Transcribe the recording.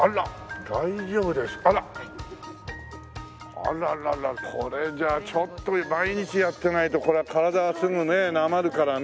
あらららこれじゃあちょっと毎日やってないとこれは体はすぐねなまるからね。